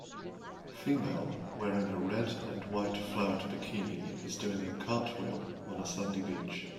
Female wearing a red and white flowered bikini is doing a cartwheel on a sandy beach.